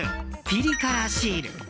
ピリ辛シール。